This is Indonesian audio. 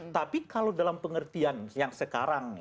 tapi kalau dalam pengertian yang sekarang